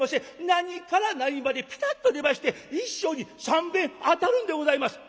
何から何までピタッと出まして一生に３べん当たるんでございます」。